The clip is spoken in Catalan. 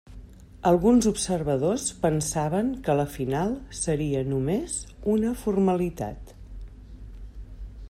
Alguns observadors pensaven que la final seria només una formalitat.